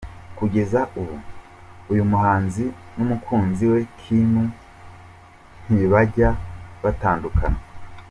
Kugeza ubu, uyu muhanzi n’umukunzi we Kim ntibajya batandukana.